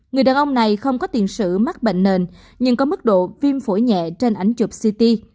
người đàn ông này không có tiền sử mắc bệnh nền nhưng có mức độ viêm phổi nhẹ trên ảnh chụp ct